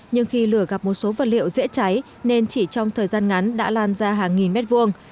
nhưng khi lửa gặp một số vật liệu dễ cháy nên chỉ trong thời gian ngắn đã lan ra hàng nghìn mét vuông